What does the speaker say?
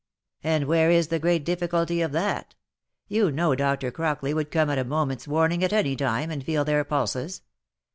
"And where is the great difficulty of that? You know Dr. Crockley would come at a moment's warning at any time, and feel their pulses."